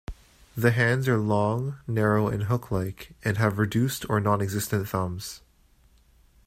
The hands are long, narrow and hook-like, and have reduced or non-existent thumbs.